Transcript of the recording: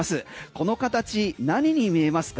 この形何に見えますか？